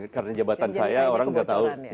karena jabatan saya orang nggak tahu